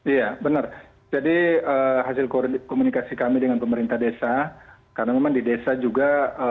iya benar jadi hasil komunikasi kami dengan pemerintah desa karena memang di desa juga